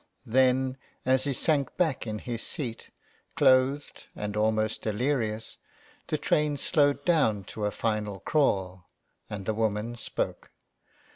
Then as he sank back in his seat, clothed and almost delirious, the train slowed down to a final crawl, and the woman spoke.